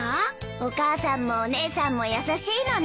お母さんもお姉さんも優しいのね。